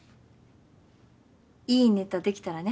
いいネタできたらね。